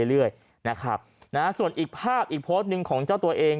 เรื่อยนะครับนะฮะส่วนอีกภาพอีกโพสต์หนึ่งของเจ้าตัวเอง